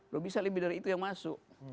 loh bisa lebih dari itu yang masuk